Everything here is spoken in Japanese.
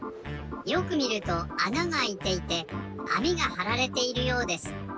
よくみるとあながあいていてあみがはられているようです。